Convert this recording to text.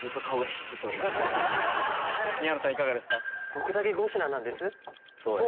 僕だけ５品なんですぅ。